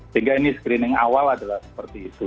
sehingga ini screening awal adalah seperti itu